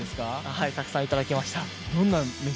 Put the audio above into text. はい、たくさんいただきました。